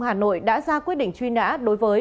hà nội đã ra quyết định truy nã đối với